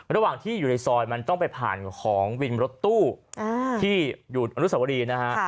ระหว่างที่อยู่ในซอยมันต้องไปผ่านของวินรถตู้ที่อยู่อนุสวรีนะฮะ